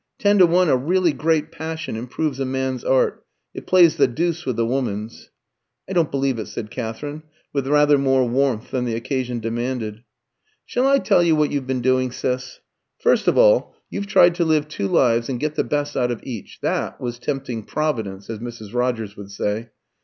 Ten to one, a really great passion improves a man's art: it plays the deuce with a woman's." "I don't believe it!" said Katherine, with rather more warmth than the occasion demanded. "Shall I tell you what you've been doing, Sis? First of all, you've tried to live two lives and get the best out of each. That was tempting Providence, as Mrs. Rogers would say.